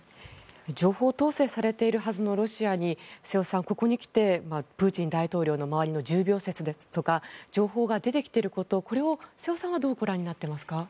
情報統制されているはずのロシアに瀬尾さん、ここに来てプーチン大統領の周りの重病説ですとか情報が出てきていることこれを瀬尾さんはどうご覧になっていますか？